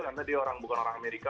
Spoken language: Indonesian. sekarang bukan orang amerika